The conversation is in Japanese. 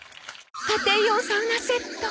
家庭用サウナセット！